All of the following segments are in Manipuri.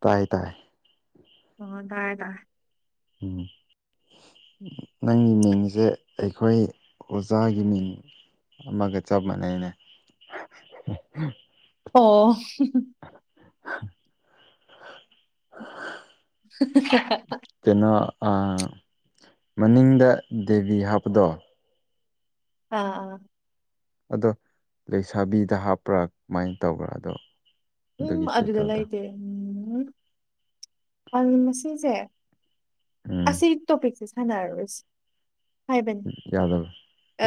ꯇꯥꯏ ꯇꯥꯏ ꯑꯣ ꯇꯥꯔꯦ ꯇꯥꯔꯦ ꯎꯝ ꯅꯪꯒꯤ ꯃꯤꯡꯁꯦ ꯑꯩꯈꯣꯏ ꯑꯣꯖꯥꯒꯤ ꯃꯤꯡ ꯑꯃꯒ ꯆꯞ ꯃꯥꯟꯅꯩꯅꯦ ꯑꯣ [inaudible] ꯀꯩꯅꯣ ꯑꯝ ꯃꯅꯤꯡꯗ ꯗꯦꯕꯤ ꯍꯥꯞꯄꯗꯣ ꯑꯥ ꯑꯗꯣ ꯂꯩꯁꯥꯕꯤꯗ ꯍꯥꯞꯄ꯭ꯔꯥ ꯀꯃꯥꯏꯅ ꯇꯧꯕ꯭ꯔꯥ ꯑꯗꯣ ꯑꯗꯨꯒꯤ ꯎꯝ ꯑꯗꯨꯗ ꯇꯥꯏꯇꯜꯗꯣ ꯂꯩꯇꯦ ꯎꯝ ꯃꯁꯤꯡꯁꯦ ꯎꯝ ꯑꯁꯤ ꯇꯣꯄꯤꯛꯁꯦ ꯁꯥꯅꯔꯔꯣꯏꯁꯦ ꯍꯥꯏꯕꯅꯤ ꯌꯥꯗꯕ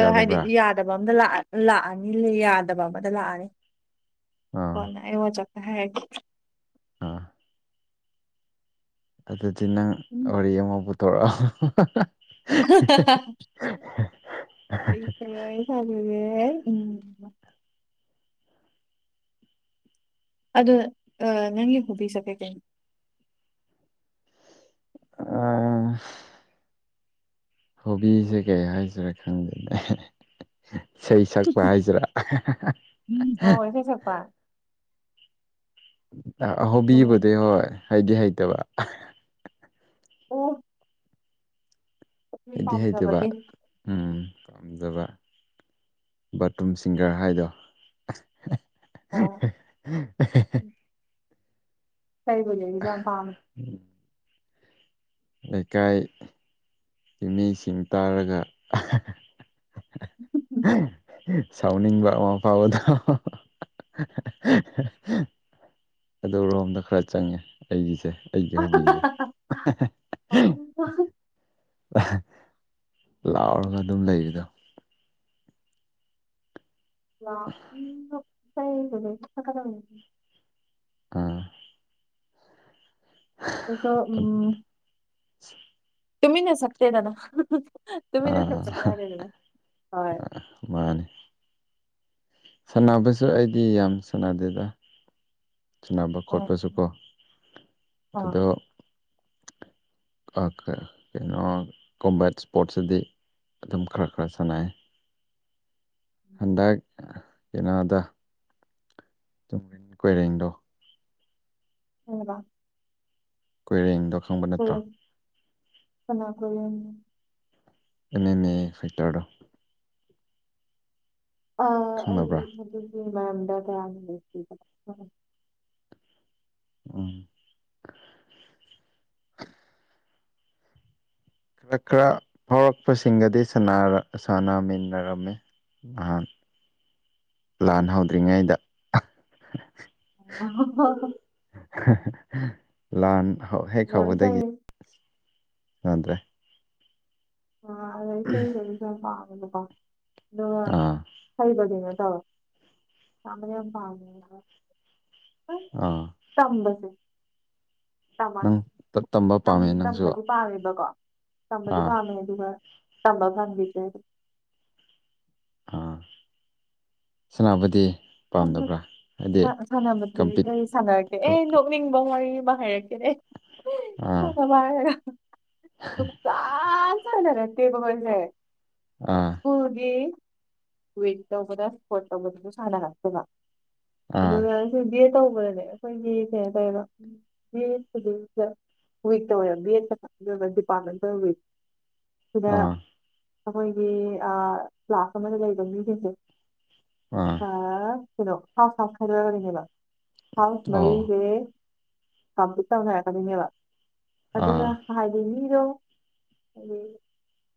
ꯑꯥ ꯍꯥꯏꯗꯤ ꯌꯥꯗꯕ ꯑꯝꯗ ꯂꯥꯛꯑꯗꯤ ꯂꯥꯛꯑꯅꯤ ꯌꯥꯗꯕ ꯑꯃꯗ ꯂꯥꯛꯑꯅꯤ ꯑꯥ ꯀꯣꯟꯅ ꯑꯩꯉꯣꯟꯗ ꯆꯠꯒꯦ ꯍꯥꯏꯔꯅꯤ ꯑꯥ ꯑꯗꯨꯗꯤ ꯅꯪ ꯋꯥꯔꯤ ꯑꯃ ꯄꯨꯊꯣꯔꯛ [inaudible] ꯀꯩ ꯀꯩ ꯋꯥꯔꯤ ꯁꯥꯁꯤꯒꯦ ꯑꯗꯣ ꯅꯪꯒꯤ ꯍꯣꯕꯤꯁꯦ ꯀꯩ ꯀꯩꯅꯣ ꯑꯥ ꯍꯣꯕꯤꯁꯦ ꯀꯩ ꯍꯥꯏꯁꯤꯔꯥ ꯈꯪꯗꯦꯅꯦ ꯏꯁꯩ ꯁꯛꯄ ꯍꯥꯏꯁꯤꯔꯥ ꯑꯣ ꯏꯁꯩ ꯁꯛꯄ ꯑꯗꯨꯝ ꯍꯣꯕꯤꯕꯨꯗꯤ ꯍꯣꯏ ꯍꯩꯗꯤ ꯍꯩꯇꯕ ꯑꯣ ꯍꯩꯗꯤ ꯍꯩꯇꯕ ꯄꯥꯝꯖꯕꯒꯤ ꯎꯝ ꯄꯥꯝꯖꯕ ꯕꯥꯠꯔꯨꯝ ꯁꯤꯡꯒꯔ ꯍꯥꯏꯗꯣ ꯑꯣ ꯢꯁꯩꯕꯨꯗꯤ ꯑꯩꯁꯨ ꯌꯥꯝ ꯄꯥꯝꯃꯦ ꯎꯝ [inaudible] ꯂꯩꯀꯥꯏ ꯃꯤꯁꯤꯡ ꯇꯥꯔꯒ [inaudible] ꯁꯥꯎꯅꯤꯡꯕ ꯑꯃ ꯐꯥꯎꯕꯗꯣ [unintelligible] ꯑꯗꯨ ꯔꯣꯝꯗ ꯈꯔ ꯆꯪꯉꯦ ꯑꯩꯒꯤꯁꯦ ꯑꯩꯒꯤ ꯍꯣꯕꯤꯁꯦ [unintelligible] ꯑꯍꯥ ꯂꯥꯎꯔꯒ ꯑꯗꯨꯝ ꯂꯩꯕꯤꯗꯣ [unintelligible] ꯎꯝ ꯑꯩꯗꯤ ꯎꯝ [unintelligible] ꯇꯨꯃꯤꯟꯅ ꯆꯠꯇꯦꯗꯅ ꯇꯨꯃꯤꯟꯅ ꯑꯥ ꯆꯠꯄꯗꯤ ꯌꯥꯗꯦꯗꯅ ꯍꯣꯏ ꯃꯥꯟꯅꯤ ꯁꯥꯟꯅꯕꯁꯨ ꯑꯩꯗꯤ ꯌꯥꯝ ꯁꯥꯟꯅꯗꯦꯗ ꯁꯅꯕ ꯈꯣꯠꯄꯁꯨꯀꯣ ꯑꯗꯣ ꯀ ꯀꯩ ꯀꯩꯅꯣ ꯀꯣꯕꯥꯠ ꯏꯁꯄꯣꯔꯠꯁꯤꯗꯤ ꯑꯗꯨꯝ ꯈꯔ ꯈꯔ ꯁꯥꯟꯅꯩ ꯍꯟꯗꯛ ꯀꯩꯅꯣꯗ ꯇꯨꯝ ꯀꯣꯏꯔꯦꯡꯗꯣ ꯀꯩ ꯍꯥꯏꯕ ꯀꯣꯏꯔꯦꯡꯗꯣ ꯈꯪꯕ ꯅꯠꯇ꯭ꯔꯣ ꯀꯟꯅ ꯀꯣꯏꯔꯦꯡ ꯑꯦ ꯅꯩꯅ ꯐꯦꯛꯇꯔꯗꯣ ꯑ ꯑꯩ ꯈꯪꯅꯕ꯭ꯔꯥ ꯑꯗꯨꯒꯤ ꯃꯔꯝꯗ ꯀꯌꯥ ꯅꯣꯂꯦꯁ ꯂꯩꯇꯦ ꯎꯝ ꯈꯔ ꯈꯔ ꯐꯥꯎꯔꯛꯄꯁꯤꯡꯒꯗꯤ ꯁꯥꯟꯅꯔ ꯁꯥꯟꯅꯃꯤꯟꯅꯔꯝꯃꯤ ꯅꯍꯥꯟ ꯂꯥꯟ ꯍꯧꯗ꯭ꯔꯤꯉꯩꯗ [unintelligible] ꯂꯥꯟ ꯍꯦꯛ ꯑꯗꯣ ꯍꯧꯕꯗꯒꯤ ꯏꯁꯩ, ꯑꯗ꯭ꯔꯦ ꯑꯥ ꯑꯗꯣ ꯏꯁꯩ ꯏꯁꯩꯗꯤꯁꯨ ꯌꯥꯝ ꯄꯥꯝꯃꯦꯅꯀꯣ ꯑꯗꯨꯒ ꯑꯥ ꯍꯩꯕꯗꯤꯅ ꯇꯧꯋꯦ ꯄꯥꯝꯕꯗꯤ ꯌꯥꯝ ꯄꯝꯈꯤꯅꯦ ꯑꯥ ꯇꯝꯕꯁꯦ ꯇꯝꯃꯛ ꯅꯪ ꯇ- ꯇꯝꯕ ꯇꯝ ꯄꯥꯝꯃꯦ ꯅꯪꯁꯨ ꯇꯝꯕꯗꯤ ꯄꯥꯝꯃꯦꯕꯀꯣ ꯇꯝꯕꯗꯤ ꯑꯥ ꯄꯥꯝꯃꯦ ꯑꯗꯨꯒ ꯇꯝꯕ ꯐꯪꯈꯤꯗꯔꯦ ꯑꯥ ꯁꯅꯥꯕꯗꯤ ꯁꯝꯕꯗꯤ ꯁꯥꯟꯅꯕꯗꯤ ꯀꯝꯄꯤꯠ ꯑꯩ ꯁꯥꯟꯅꯔꯛꯇꯦ ꯑꯦ ꯀ- ꯅꯣꯛ ꯀ- ꯃꯤꯡꯕ ꯋꯔꯤ ꯑꯃꯥ ꯍꯥꯏꯔꯛꯀꯦꯅꯦ ꯑꯥ [unintelligible] ꯁꯨꯡꯁꯥ ꯁꯥꯟꯅꯔꯜꯇꯦ [unintelligible] ꯑꯥ ꯁꯀꯨꯜꯒꯤ ꯋꯤ ꯇꯧꯕꯗ ꯏꯁꯄꯣꯔꯠ ꯇꯧꯕꯗꯁꯨ ꯁꯥꯟꯅꯔꯛꯇꯦꯕ ꯑꯥ ꯑꯗꯨꯒ ꯍꯧꯖꯤꯛꯇꯤ ꯇꯧꯕꯗꯖꯦ ꯑꯩꯈꯣꯏꯒꯤ ꯀꯩ ꯍꯥꯏꯇꯥꯔꯦꯀꯣ 'inaudible' ꯁꯤꯗ ꯑꯥ ꯑꯩꯈꯣꯏꯒꯤ ꯑꯥ ꯀ꯭ꯂꯥꯁ ꯑꯃꯗ ꯂꯩꯕ ꯃꯤꯁꯤꯡꯁꯦ ꯑꯥ ꯍꯥ ꯈꯣꯏꯗꯣ ꯍꯥꯎꯁ ꯍꯥꯎꯁ ꯈꯥꯏꯗꯣꯔꯛꯅꯦꯕ ꯍꯥꯎꯁ ꯑꯣ ꯃꯔꯤꯁꯦ ꯀꯝꯄ꯭ꯂꯤꯠ ꯇꯧꯅꯔꯛꯀꯗꯣꯏꯅꯦꯕ ꯑꯗꯨꯅ ꯑꯥ ꯍꯥꯏꯗꯤ ꯃꯤꯗꯣ ꯍꯥꯌꯦꯡ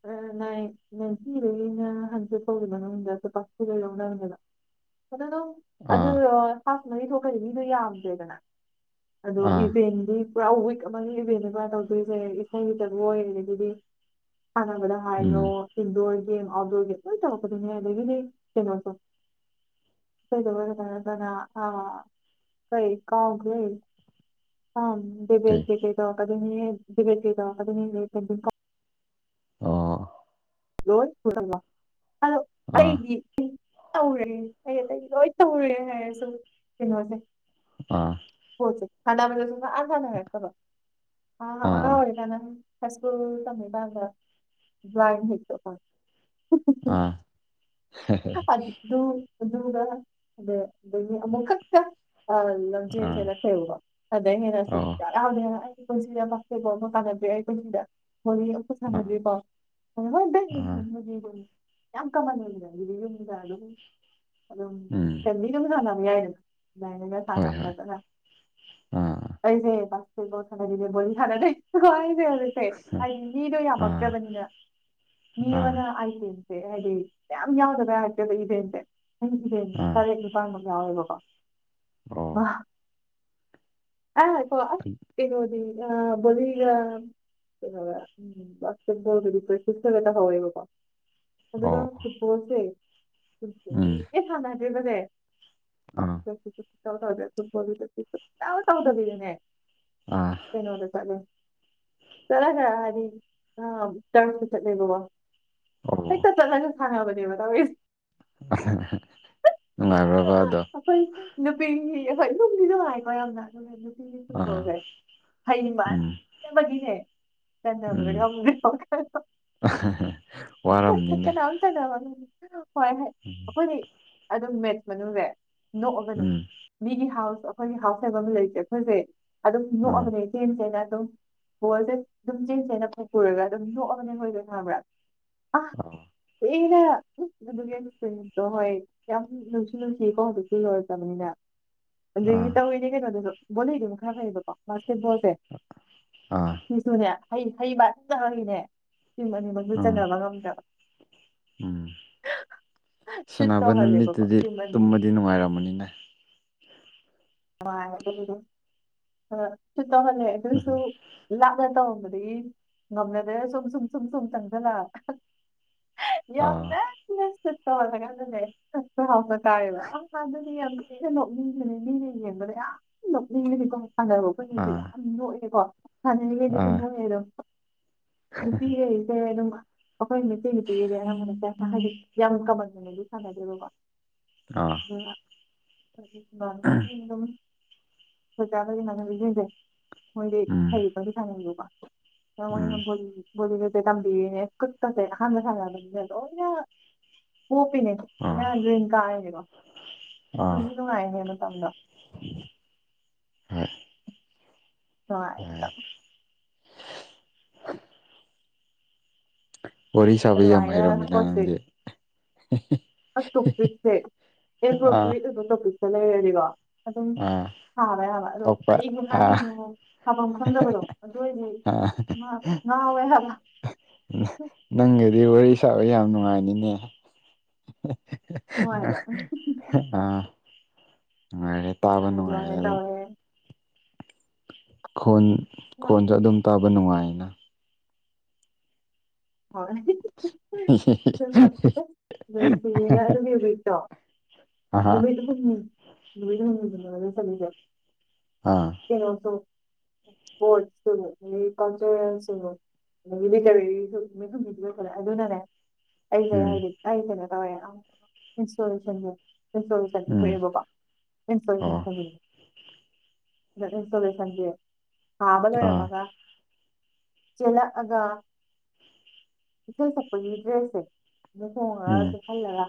ꯑꯥ ꯅꯥꯏ ꯅꯥꯏꯇꯤ ꯗꯒꯤꯅ ꯍꯥꯟꯗꯦꯛꯐꯥꯎꯒꯤ ꯃꯅꯨꯡꯗ ꯀꯦꯄꯥꯁꯤꯇꯤ ꯌꯥꯎꯅꯕꯅꯕ ꯑꯗꯨꯗꯣ ꯑꯗꯨꯝ ꯑꯗꯨ ꯑꯥ ꯍꯥꯎ ꯃꯔꯤ ꯊꯣꯛꯄꯗꯤ ꯃꯤꯗꯣ ꯌꯥꯝꯗ꯭ꯔꯦꯗꯅ ꯑꯗꯣ ꯑꯥ ꯏꯕꯦꯟꯗꯤ ꯄꯨꯔꯥ ꯋꯤꯛ ꯑꯃꯒꯤ ꯏꯚꯦꯟꯅꯦ ꯃꯥ ꯇꯧꯗꯣꯏꯁꯦ ꯏꯁꯩ ꯖꯒꯣꯏ ꯑꯗꯨꯗꯤ ꯁꯥꯟꯅꯕꯗ ꯍꯥꯏꯔꯣ ꯎꯝ ꯏꯟꯗꯣꯔ ꯒꯦꯝ ꯑꯥꯎꯠꯗꯣꯔ ꯒꯦꯝ ꯂꯣꯏꯅ ꯇꯧꯔꯛꯀꯗꯤꯅꯦ ꯑꯗꯒꯤꯗꯤ ꯀꯩꯅꯣꯁꯨ ꯏꯁꯩ ꯖꯒꯣꯏ ꯈꯗꯪ ꯅꯠꯇꯕ ꯑ ꯀꯩ ꯀꯥꯎꯈ꯭ꯔꯦ ꯀꯦ [inaudible] ꯑꯣ ꯂꯣꯂꯣ ꯑꯥ ꯑꯩꯗꯤ ꯇꯧꯔꯦ ꯑꯩ ꯑꯇꯩ ꯂꯣꯏ ꯇꯧꯔꯦ ꯍꯥꯏꯔꯁꯨ ꯀꯩꯅꯣꯁꯦ ꯑꯥ ꯍꯣ ꯆꯦ ꯁꯥꯟꯅꯕꯗ ꯁꯨꯡꯁꯥꯟ ꯁꯥꯟꯅꯔꯛꯇꯕ ꯑꯉꯥꯡ ꯑꯥ ꯑꯣꯏꯔꯤꯀꯥꯗꯅ ꯍꯁ ꯑꯥ [inaudible] ꯑꯗꯨꯒꯗ ꯑꯗ ꯑꯅꯤ ꯑꯃꯨꯛꯈꯛꯇ ꯑ ꯑꯥ ꯂꯝꯖꯦꯜ ꯦꯅ ꯈꯩꯎꯕ ꯑꯗꯨꯗꯗꯒꯤꯩ ꯍꯦꯟꯅ ꯁꯛ ꯑꯣ ꯌꯥꯎꯗꯦ ꯑꯩ ꯄꯨꯟꯁꯤꯗ ꯄꯕ ꯑꯃ ꯀꯥꯟꯅꯕꯤ ꯑꯩ ꯄꯨꯟꯁꯤꯗ ꯑꯥ ꯑꯥ [unintelligible] ꯌꯥꯝ ꯀꯃꯟ ꯑꯣꯏꯅꯗꯤ ꯑꯗꯨꯗꯤ ꯌꯨꯝꯗ ꯑꯗꯨ ꯑꯗꯨꯝ ꯎꯝ ꯐꯦꯃꯤꯂꯤꯅꯕꯨ ꯁꯥꯟꯅ ꯌꯥꯏꯅ ꯍꯣꯏ ꯍꯣꯏ [unintelligible] ꯑꯥ ꯑꯩꯁꯦꯁ ꯀ ꯊꯦ ꯊꯅ ꯅ ꯑꯩꯁꯦ ꯍꯧꯖꯤꯛꯁꯦ ꯍꯥꯏꯗꯤ ꯃꯤꯗꯣ ꯑꯥ ꯌꯥꯝꯃꯛꯇ꯭ꯔꯕꯅꯤꯅ ꯃꯤ ꯑꯥ ꯑꯃꯅ ꯍꯥꯏꯇꯦꯟ ꯍꯥꯏꯗꯤ ꯃꯌꯥꯝ ꯌꯥꯎꯗꯕ ꯌꯥꯔꯛꯇꯦꯕ ꯏꯚꯦꯟꯇꯁꯦ ꯑꯥ ꯃꯤꯠꯇꯥꯡꯕꯃꯥ ꯌꯥꯎꯋꯦꯕꯀꯣ ꯑꯣ ꯃꯥꯍ ꯑꯩ ꯑ [inaudible] ꯎꯗꯤꯔꯦꯁꯁꯦ ꯍꯕꯣꯀꯣ ꯑꯗꯨꯒ ꯑꯣ ꯐꯨꯠꯕꯣꯆꯜꯁꯦ ꯎꯝ ꯑꯦ ꯁꯥꯟꯅꯗ꯭ꯔꯤꯕꯅꯦ ꯑꯥ ꯆ ꯆꯣ ꯆꯅꯦ ꯀꯔꯤꯅꯣ ꯑꯥ ꯆꯂꯦ ꯆꯂꯒꯅꯤ ꯆ ꯆꯠꯦꯕꯕꯥ ꯑꯣ ꯍꯛꯇ ꯆ ꯆꯒ ꯊꯉꯕꯅꯤꯕ ꯅꯨꯡꯉꯥꯏꯕ꯭ꯔꯕ ꯑꯗꯣ ꯍꯣꯏ ꯅꯨꯄꯤꯒꯤ ꯑꯩꯈꯣꯏ ꯅꯨꯡꯕꯨꯗꯤ ꯅꯨꯡꯉꯥꯏꯀꯣ ꯌꯥꯝꯅ ꯅꯨꯄꯤꯗꯤ ꯑꯥ ꯐꯨꯠꯕꯣꯜꯁꯦ ꯐꯩꯅꯤꯡꯝꯕ ꯎꯝ ꯆꯕꯒꯤꯅꯦ ꯆ ꯎꯝ ꯋꯥꯔꯝꯅꯤꯅꯦ ꯍꯣꯏ ꯎꯝ ꯑꯩꯈꯣꯏꯗꯤ ꯑꯗꯨꯝ ꯃꯦꯠꯁ ꯃꯅꯨꯡꯗ ꯅꯣꯛꯑꯕꯅꯦ ꯎꯝ ꯃꯤꯒꯤ ꯍꯥꯎꯁ ꯑꯩꯈꯣꯏꯒꯤ ꯍꯥꯎꯁ ꯍꯥꯏꯕ ꯑꯃ ꯂꯩꯔꯤꯁꯦ ꯑꯩꯈꯣꯏꯁꯦ ꯑꯗꯨꯝ ꯑꯥ ꯅꯣꯛꯑꯕꯅꯦ ꯁꯤꯁꯦꯖ ꯑꯗꯨ ꯕꯣꯜꯁꯦ ꯑꯗꯨꯝ ꯆꯦꯟ ꯆꯦꯟꯅ ꯄꯨꯔꯒ ꯑꯗꯨꯝ ꯅꯣꯛꯑꯒ ꯂꯩꯍꯧꯗꯣꯏꯅꯦ ꯈꯪꯉꯕ꯭ꯔꯥ ꯑ ꯑꯥ 'inaudible' ꯍꯣꯏ ꯌꯥꯝ ꯅꯨꯡꯁꯨ ꯅꯨꯡ ꯀꯣ ꯍꯧꯖꯤꯛꯁꯨ ꯌꯣꯏꯔꯛꯇꯕꯅꯤꯅ ꯑꯗꯨꯗꯒꯤ ꯑꯥ ꯇꯧꯤꯅꯦ ꯀꯩꯅꯣꯗꯁꯨ ꯕꯣꯂꯩꯗꯨꯝ ꯈꯔ ꯐꯩꯌꯦꯕꯀꯣ ꯕꯥꯁꯀꯦꯠ ꯕꯣꯜꯁꯦ ꯑꯥ ꯁꯤꯁꯨꯅꯦ ꯍꯩ ꯍꯩꯃꯟꯗꯕꯒꯤꯅꯦ ꯇꯤꯝ ꯑꯅꯤꯃꯛꯁꯅꯦ ꯎꯝ ꯆꯟꯅꯕ ꯉꯝꯗꯕ ꯎꯝ ꯁꯨꯠ ꯁꯥꯟꯅꯕ ꯇꯧꯍꯜꯂꯦꯕꯀꯣ ꯅꯨꯃꯤꯠꯇꯨꯗꯤ ꯇꯤꯝ ꯑꯅꯤ ꯇꯨꯝꯕꯗꯤ ꯅꯨꯡꯉꯥꯏꯔꯃꯅꯤꯅꯦ ꯑꯗꯨꯗꯤ ꯁ ꯇꯧꯍꯜꯂꯦ ꯑꯗꯨꯏꯁꯨ ꯂꯥꯞꯅ ꯇꯧꯔꯝꯕꯗꯤ ꯉꯝꯅꯗ꯭ꯔꯦ ꯁꯨꯝ ꯁꯨꯝ ꯁꯨꯝ ꯁꯨꯝ ꯆꯪꯊꯜꯂꯛ ꯑꯥ ꯌꯝꯅ ꯁꯠꯇꯂ ꯀꯥꯟꯗ ꯂꯩ ꯍꯁ ꯍꯥꯎꯕ ꯇꯥꯏꯌꯦꯕ ꯑ ꯑꯗꯨꯗꯤ ꯌꯥꯝ ꯊꯤꯅ ꯅꯣꯛꯅꯤꯡꯁꯤꯅꯤꯅꯦ ꯌꯦꯡꯕꯗ ꯌꯥꯝ ꯅꯣꯛꯅꯤꯡꯉꯅꯤꯀꯣ ꯁꯥꯟꯅꯕ ꯑꯩꯈꯣꯏꯅꯁꯨꯛ ꯌꯥꯝ ꯑꯥ ꯅꯣꯛꯑꯦꯀꯣ ꯁꯥꯟꯅꯔꯤꯉꯩꯗꯁꯨ ꯑꯥ ꯃꯣꯏ ꯑꯗꯨꯝ ꯅꯨꯄꯤꯈꯩꯁꯦ ꯑꯗꯨꯝ ꯑꯩꯈꯣꯏ ꯃꯩꯇꯩ ꯅꯨꯄꯤꯒꯤꯗꯤ ꯑꯅꯝꯕꯅ ꯍꯥꯏꯗꯤ ꯌꯥꯝ ꯀꯃꯟ ꯑꯣꯏꯅꯗꯤ ꯁꯥꯟꯅꯗꯦꯕ ꯀꯣ ꯑꯥ ꯎ ꯑꯗꯨꯝ ꯑꯣꯖꯥꯈꯒꯤꯃꯅꯕꯤꯁꯤꯡꯁꯦ ꯃꯣꯏꯗꯤ ꯎꯝ ꯍꯩꯕꯒꯤ ꯁꯥꯅꯤꯡꯗꯣꯀꯣ ꯀꯃꯥꯏꯅꯣ ꯎꯝ ꯇꯝꯕꯤꯔꯤꯅꯦ ꯈꯨꯠꯀꯥꯁꯦ ꯑꯍꯥꯟꯅ ꯁꯥꯟꯅꯕꯗꯤꯅꯦ ꯂꯣꯏꯅ ꯄꯣꯞꯄꯤꯅꯦ ꯑꯥ [unintelligible] ꯑꯥ ꯅꯨꯡꯁꯨ ꯅꯨꯡꯉꯥꯏꯍꯦ ꯃꯇꯝꯗꯣ ꯍꯣꯏ ꯌꯥꯏ [unintelligible] ꯋꯥꯔꯤ ꯁꯥꯕ ꯌꯥꯝ ꯑꯗꯨꯃꯥꯏꯅ ꯍꯩꯔꯝꯃꯤ ꯁ꯭ꯄꯣꯔꯠꯁꯦ ꯅꯪꯗꯤ ꯑꯁ ꯇꯣꯄꯤꯛꯁꯦ [unintelligible] ꯑꯥ ꯑꯣꯏꯕ ꯇꯣꯄꯤꯛꯇꯣ ꯂꯩꯔꯗꯤꯀꯣ ꯑꯗꯨꯝ ꯑꯥ ꯁꯥꯕ ꯌꯥꯕ ꯑꯗꯣ ꯊꯣꯛꯄ ꯀꯔꯤꯕꯨ ꯑꯥ ꯍꯥꯏꯗꯣꯏꯅꯣ ꯁꯥꯕꯝ ꯈꯪꯗꯕꯗꯣ ꯑꯗꯨ ꯑꯣꯏꯗꯤ ꯑꯥ ꯉ ꯉꯥꯎꯋꯦ ꯍꯥꯏꯕ ꯅꯪꯒꯗꯤ ꯋꯥꯔꯤ ꯁꯥꯕ ꯌꯥꯝ ꯅꯨꯡꯉꯥꯏꯅꯤꯅꯦ ꯅꯨꯡꯉꯥꯏꯕ ꯑ ꯅꯨꯡꯉꯥꯏꯔꯤ ꯇꯥꯕ ꯍꯣꯏ ꯅꯨꯡꯉꯥꯏ ꯑꯗꯨꯃꯥꯏꯅ ꯑꯗꯨꯝ ꯇꯧꯋꯦ ꯈꯣꯟ ꯈꯣꯟꯗꯨ ꯑꯗꯨꯝ ꯇꯥꯕ ꯅꯨꯡꯉꯥꯏꯅ ꯍꯣꯏ ꯑꯗꯨꯅ ꯑꯁ ꯅꯨꯡꯁꯤꯌꯦꯅ ꯑꯗꯨꯒꯤ [unintelligible] ꯑꯍꯥ ꯁꯨꯝ ꯅꯨꯃꯤꯠ ꯍꯨꯝꯅꯤꯗ ꯃꯔꯨꯞ [unintelligible] ꯑ ꯀꯩꯅꯣꯇꯨ [unintelligible] ꯀꯜꯆꯔꯦꯜ [unintelligible] ꯅꯨꯃꯤꯠ ꯍꯨꯝꯅꯤꯗꯤ ꯂꯣꯏꯁꯜꯂꯦ ꯑꯗꯨꯅꯅꯦ ꯑꯩꯖꯦ ꯎꯝ ꯍꯥꯏꯗꯤ ꯑꯩ ꯀꯩꯅꯣ ꯇꯧꯋꯦ ꯑ ꯏꯟꯁꯇꯣꯂꯨꯁꯟꯖꯦ ꯏꯟꯁꯇꯣꯂꯨꯁꯟꯗꯤ ꯎꯝ ꯊꯣꯛꯑꯦꯕꯀꯣ ꯑꯣ ꯏꯟꯁꯇꯣꯂꯦꯁꯟ [unintelligible] ꯏꯟꯁꯇꯣꯂꯦꯁꯟꯖꯦ ꯑꯥꯗ ꯑꯥ ꯂꯩꯔꯝꯃꯒ ꯆꯦꯜꯂꯛꯑꯒ ꯏꯁꯩ ꯁꯛꯄꯒꯤ ꯗ꯭ꯔꯦꯁꯁꯦ ꯑꯗꯨ ꯍꯣꯡꯉꯒ ꯎꯝ ꯆꯦꯛꯍꯜꯂꯒ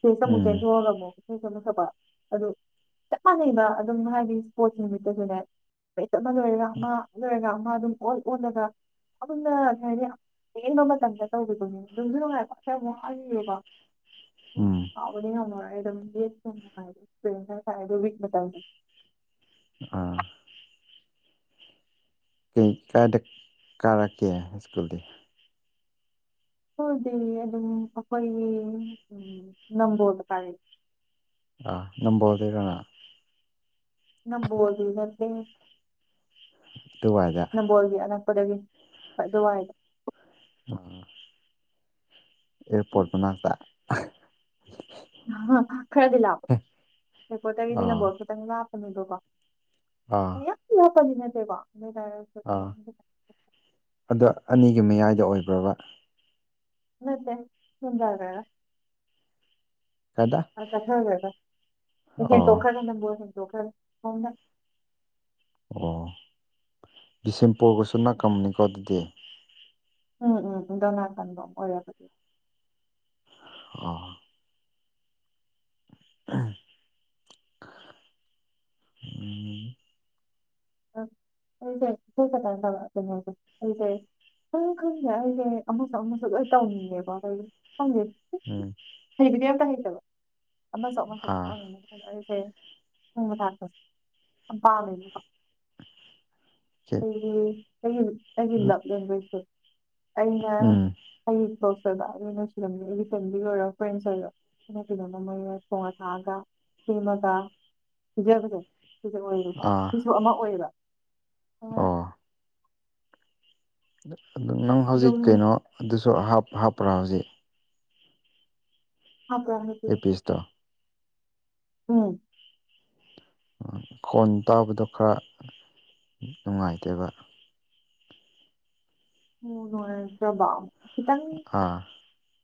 ꯁꯇꯦꯁꯇ ꯑꯃꯨꯛ ꯎꯝ ꯆꯦꯟꯊꯣꯛꯑꯒ ꯑꯃꯨꯛ [unintelligible] ꯁꯛꯄ ꯑꯗꯨ ꯆꯞ ꯃꯥꯟꯅꯅꯩꯕ ꯑꯗꯨꯝ ꯍꯥꯏꯗꯤ ꯏꯁꯄꯣꯔꯠꯁ ꯅꯨꯃꯤꯠꯇꯁꯨꯅꯦ ꯆꯠ ꯑꯃ ꯂꯣꯏꯔꯒ ꯑꯃ ꯂꯣꯏꯔꯒ ꯑꯃ ꯑꯗꯨꯝ ꯑꯣꯟ ꯑꯣꯜꯂꯒ ꯑꯗꯨꯝꯅ ꯍꯥꯏꯗꯤ ꯇꯦꯟꯕ ꯃꯇꯝꯗ ꯇꯧꯒꯤꯕꯅꯦ ꯅꯨꯡꯖꯨ ꯅꯨꯡꯉꯥꯏꯕ [unintelligible] ꯎꯝ ꯀꯥꯎꯕꯗꯤ ꯉꯝꯃꯔꯣꯏ ꯑꯗꯨꯝ [unintelligible] ꯑꯥ ꯀꯩ ꯀꯥꯏꯗ ꯀꯥꯔꯛꯀꯦ ꯁ꯭ꯀꯨꯜꯗꯤ ꯑꯈꯣꯏꯗꯤ ꯑꯗꯨꯝ ꯑꯩꯈꯣꯏꯒꯤ ꯎꯝ ꯅꯝꯕꯣꯜ ꯃꯄꯥꯒꯤ ꯑꯥ ꯅꯝꯕꯣꯜꯗꯩꯔꯣ ꯅꯝꯕꯣꯜꯗꯤ ꯅꯠꯇꯦ ꯗꯨꯋꯥꯏꯗ ꯅꯝꯕꯣꯜꯒꯤ ꯑꯅꯛꯄꯗꯒꯤ ꯑꯗꯨꯋꯥꯏꯗ ꯎꯝ ꯑꯦꯔꯄꯣꯠ ꯃꯅꯥꯥꯛꯇ ꯈꯔꯗꯤ ꯂꯥꯞꯄꯦ ꯑꯦꯔꯄꯣꯠꯇꯒꯤꯗꯤ ꯑꯥ ꯅꯝꯕꯣꯜ ꯈꯤꯇꯪ ꯂꯥꯞꯄꯅꯦꯕꯀꯣ ꯑꯥ [unintelligible] ꯅꯠꯇꯦꯀꯣ ꯑꯗꯨꯏꯇꯥꯔꯁꯨ ꯑꯥ ꯑꯗꯣ ꯑꯅꯤꯒꯤ ꯃꯌꯥꯏꯗ ꯑꯣꯏꯕ꯭ꯔꯕ ꯅꯠꯇꯦ ꯆꯨꯝꯗ꯭ꯔꯒ꯭ꯔꯥꯒ ꯀꯥꯏꯗ ꯆꯠꯊꯈ꯭ꯔꯒ ꯑꯣ ꯍꯦꯟꯇꯣꯛꯈ꯭ꯔꯅꯤ ꯅꯝꯕꯣꯜ ꯍꯦꯟꯇꯣꯛꯈꯔꯅꯤ ꯑꯣ ꯕꯤꯁꯦꯝꯄꯨꯔꯒꯁꯨ ꯅꯛꯑꯝꯅꯤꯀꯣ ꯑꯗꯨꯗꯤ ꯎꯝ ꯎꯝ ꯗꯣꯅꯥꯀꯟꯗ ꯑꯣꯏꯔꯒꯗꯤ ꯑ [unintelligible] ꯑꯩꯖꯦ [unintelligible] ꯈꯪ ꯈꯪꯗꯦ ꯑꯩꯁꯦ ꯑꯃꯁꯨ ꯑꯃꯁꯨ ꯂꯣꯏ ꯇꯧꯅꯤꯡꯉꯦꯕ [unintelligible] ꯈꯪꯗꯦ ꯎꯝ ꯍꯩꯕꯗꯤ ꯑꯝꯇ ꯍꯩꯇꯕ ꯑꯃꯁꯨ ꯑꯃꯁꯨ ꯑꯥ ꯈꯇꯪ ꯑꯗ ꯑꯩꯁꯦ ꯊꯣꯡꯕ ꯊꯥꯛꯄꯁꯦ ꯌꯥꯝ ꯄꯥꯝꯃꯦꯕꯀꯣ ꯀꯦ ꯑꯩꯒꯤ ꯑꯩꯒꯤ ꯑꯩꯒꯤ ꯂꯞ ꯂꯦꯡꯒꯣꯏꯁꯦ ꯑꯩꯅ ꯎꯝ ꯑꯩ ꯄꯣꯛ [unintelligible] ꯁꯤꯜꯂꯝꯃꯤ ꯑꯩꯒꯤ ꯐꯦꯃꯤꯂꯤ ꯑꯣꯏꯔꯣ ꯐ꯭ꯔꯦꯟꯁ ꯑꯣꯏꯔꯣ ꯑꯅ ꯀꯩꯅꯣꯃ ꯃꯣꯏꯅ ꯊꯣꯡꯉ ꯊꯥꯛꯑꯒ ꯁꯦꯝꯃꯒ ꯄꯤꯖꯕꯗꯣ ꯁꯤ ꯑꯣꯏꯕꯀꯣ ꯑꯥ ꯁꯤꯁꯨ ꯑꯃ ꯑꯣꯏꯌꯦꯕ ꯑꯣ ꯑꯗꯨ ꯅꯪ ꯍꯧꯖꯤꯛ ꯑꯗꯨꯝ ꯀꯩꯅꯣ ꯑꯗꯨꯁꯨ ꯍꯥꯞꯄ꯭ꯔꯥ ꯍꯧꯖꯤꯛ ꯍꯥꯞꯄ꯭ꯔ ꯑꯦꯔ ꯄꯤꯁꯇꯣ ꯎꯝ ꯈꯣꯟ ꯇꯥꯕꯗꯣ ꯈꯔ ꯅꯨꯡꯉꯥꯏꯇꯕ ꯎꯝ ꯅꯣꯏ ꯈꯤꯇꯪ ꯑꯥ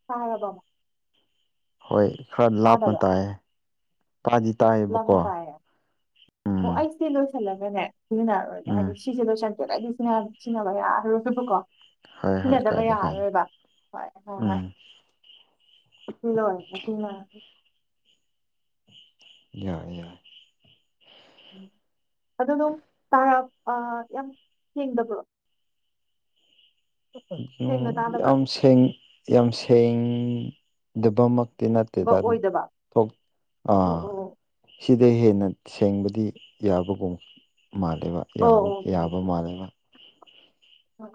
ꯇꯥꯔꯕꯣ ꯍꯣꯏ ꯈꯔ ꯂꯥꯞꯅ ꯇꯥꯏ ꯇꯥꯗꯤ ꯇꯥꯏ ꯂꯞꯅ ꯇꯥꯏꯌꯦ ꯑꯣ ꯑꯩ ꯁꯤ ꯂꯣꯏꯁꯤꯜꯂꯒꯅꯦ ꯁꯤꯖꯤꯟꯅꯔꯔꯣꯏꯒꯦ ꯍꯥꯏꯗꯤ ꯎꯝ ꯁꯤꯁꯦ ꯂꯣꯏꯁꯟꯗ꯭ꯔꯒꯗꯤ ꯁꯤ ꯁꯤꯖꯤꯟꯅꯕ ꯌꯥꯔꯣꯏꯕꯀꯣ ꯍꯣꯏ ꯍꯣꯏ ꯁꯤꯖꯤꯟꯅꯗꯕ ꯀꯥꯏꯗꯦ ꯀꯥꯏꯗꯦ ꯌꯥꯔꯔꯣꯏꯕ ꯍꯣꯏ ꯍꯣꯏ ꯍꯣꯏ ꯎꯝ ꯏꯂ ꯊ ꯌꯥꯏ ꯌꯥꯏ ꯎꯝ ꯑꯗꯨ ꯑꯗꯨꯝ ꯇꯥꯔ ꯌꯥꯝ ꯁꯦꯡꯗꯕ꯭ꯔꯣ ꯑꯗꯨ ꯁꯦꯡꯅ ꯇꯥꯗꯕ꯭ꯔꯣ ꯌꯥꯝ ꯁꯦꯡ ꯌꯥꯝ ꯁꯦꯡꯗꯕꯃꯛ ꯇꯤ ꯕ ꯅꯠꯇꯦꯗ ꯑꯗꯨꯝ ꯑꯣꯏꯗꯕ ꯊꯣꯛ ꯑꯣ ꯑꯥ ꯑꯣ ꯁꯤꯗ ꯍꯦꯟꯅ ꯁꯦꯡꯕꯗꯤ ꯌꯥꯕꯒꯨꯝ ꯃꯥꯜꯂꯦꯕ ꯑꯣ ꯌꯥꯕ ꯃꯥꯜꯂꯦꯕ ꯑ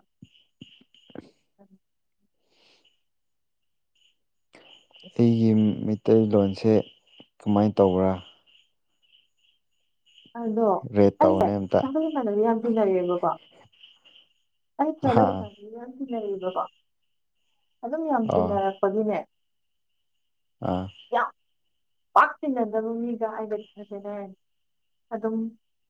ꯑꯩꯒꯤ ꯃꯩꯇꯩꯂꯣꯟꯁꯦ ꯀꯃꯥꯏꯅ ꯇꯧꯕ꯭ꯔꯥ ꯑꯗꯣ ꯔꯦꯠ ꯑꯩꯁꯦ ꯇꯧꯅꯦ ꯑꯝꯇ ꯏꯃꯥꯟꯅꯕꯤ ꯌꯥꯝ ꯇꯤꯟꯅꯔꯛ ꯑꯦꯕꯀꯣ ꯑꯩ ꯑꯗꯨ ꯑꯥ ꯌꯥꯝ ꯇꯤꯟꯅꯕꯀꯣ ꯑꯗꯨꯝ ꯌꯥꯝ ꯑꯥ ꯇꯤꯟꯅꯔꯛꯄꯒꯤꯅꯦ ꯑꯥ ꯌꯥꯝ ꯄꯥꯛ ꯇꯤꯟꯅꯗꯕ ꯃꯤꯒ ꯍꯥꯏꯕꯗꯤ ꯈꯅ ꯑꯗꯨꯝ